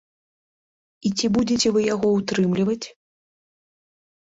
І ці будзеце вы яго ўтрымліваць?